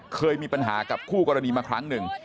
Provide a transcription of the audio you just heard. เคยมีปัญหากับคู่กรณีมาครั้งหนึ่ง